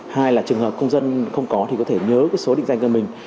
hai là trường hợp công dân không có thì có thể nhớ cái số định danh của mình